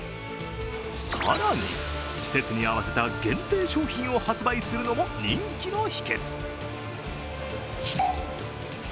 更に、季節に合わせた限定商品を発売するのも人気の秘けつ。